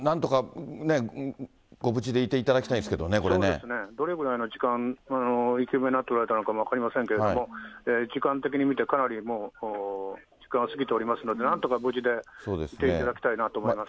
なんとかね、そうですね、どれぐらいの時間生き埋めになっておられたのかも分かりませんけれども、時間的に見て、かなりもう、時間は過ぎておりますので、なんとか無事でいていただきたいなと思います。